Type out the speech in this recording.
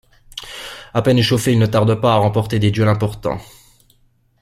À peine échauffé, il ne tarde pas à remporter des duels importants.